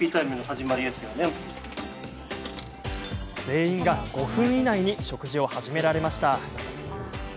全員が５分以内に食事を始められました。